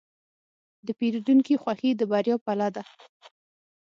د پیرودونکي خوښي د بریا پله ده.